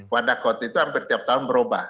wadah kot itu hampir tiap tahun berubah